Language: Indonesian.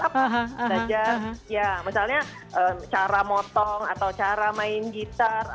apa saja ya misalnya cara motong atau cara main gitar